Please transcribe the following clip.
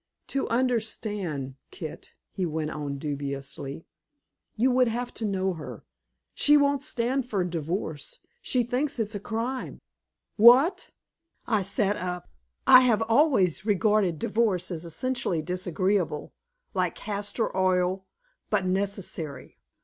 "To understand, Kit," he went on dubiously, "you would have to know her. She won't stand for divorce. She thinks it is a crime." "What!" I sat up. I have always regarded divorce as essentially disagreeable, like castor oil, but necessary.